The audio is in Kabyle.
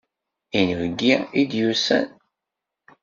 Inebgi i d-yusan.